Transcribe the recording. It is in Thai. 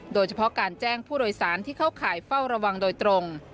โดยเฉพาะการแจ้งผู้โดยสารที่เข้าข่ายเฝ้าระวังโดยตรง